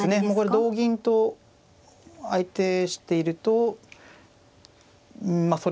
もうこれ同銀と相手しているとうんま